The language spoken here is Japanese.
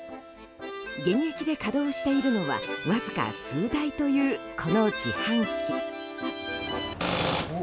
現役で稼働しているのはわずか数台というこの自販機。